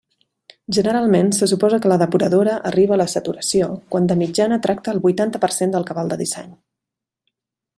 Generalment, se suposa que la depuradora arriba a la saturació quan de mitjana tracta el vuitanta per cent del cabal de disseny.